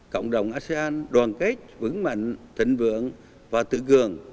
cộng đồng asean đoàn kết vững mạnh thịnh vượng và tự gường